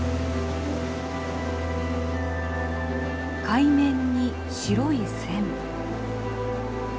海面に白い線。